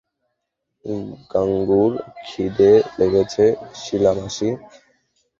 গাঙুর ক্ষিদে লেগেছে, শিলা মাসি।